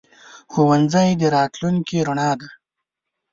ښوونځی د راتلونکي رڼا ده.